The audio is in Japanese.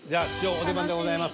お出番でございます。